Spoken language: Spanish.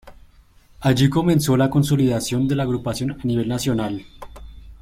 Allí comenzó la consolidación de la agrupación a nivel nacional.